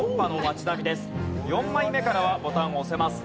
４枚目からはボタンを押せます。